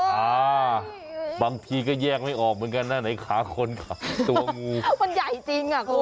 อ่าบางทีก็แยกไม่ออกเหมือนกันนะไหนขาคนขาตัวงูเอ้ามันใหญ่จริงอ่ะคุณ